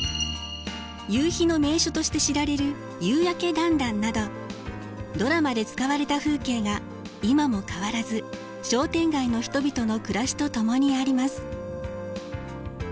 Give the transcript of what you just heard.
夕日の名所として知られる夕やけだんだんなどドラマで使われた風景が今も変わらず商店街の人々の暮らしと共にあります。